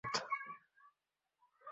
এটাই সহীহ সনদ।